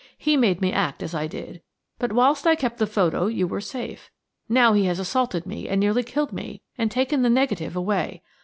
He made me act as I did. But whilst I kept the photo you were safe. Now he has assaulted me and nearly killed me, and taken the negative away.